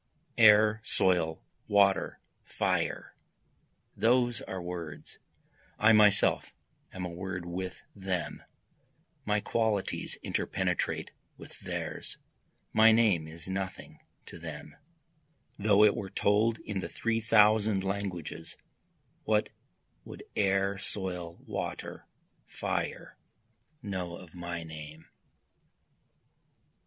Air, soil, water, fire those are words, I myself am a word with them my qualities interpenetrate with theirs my name is nothing to them, Though it were told in the three thousand languages, what would air, soil, water, fire, know of my name?